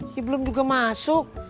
ya belum juga masuk